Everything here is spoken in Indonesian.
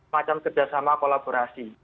macam kerjasama kolaborasi